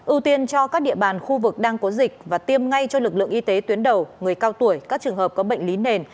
ưu tiên cho các địa bàn khu vực đang có dịch và tiêm ngay cho lực lượng y tế tuyến đầu người cao tuổi các trường hợp có bệnh lý nền